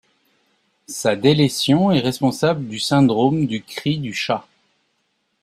Sa délétion est responsable du syndrome du cri du chat.